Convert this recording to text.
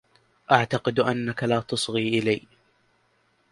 أعتقد انك لا تصغي لي.